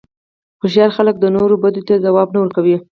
هوښیار خلک د نورو بدیو ته ځواب نه ورکوي.